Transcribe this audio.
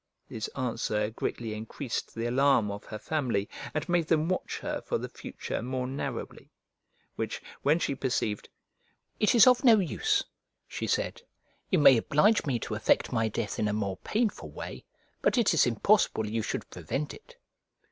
This answer greatly increased the alarm of her family, and made them watch her for the future more narrowly; which, when she perceived, "It is of no use," she said, "you may oblige me to effect my death in a more painful way, but it is impossible you should prevent it."